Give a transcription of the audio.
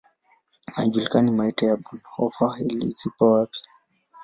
Haijulikani maiti ya Bonhoeffer ilizikwa wapi.